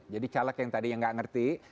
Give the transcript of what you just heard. jadi caleg yang tadi yang tidak mengerti